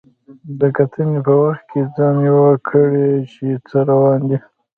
د کتنې په وخت کې ځان پوه کړئ چې څه روان دي.